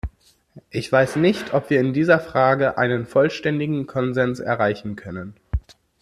Ich weiß nicht, ob wir in dieser Frage einen vollständigen Konsens erreichen können.